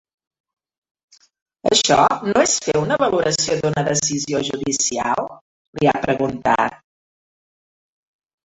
Això no és fer una valoració d’una decisió judicial?, li ha preguntat.